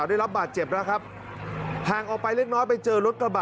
ได้รับบาดเจ็บแล้วครับห่างออกไปเล็กน้อยไปเจอรถกระบะ